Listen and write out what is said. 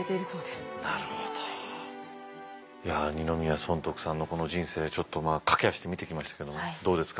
二宮尊徳さんのこの人生ちょっと駆け足で見てきましたけどどうですか？